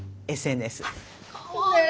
かわいい。